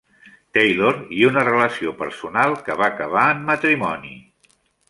Taylor i una relació personal que va acabar en matrimoni.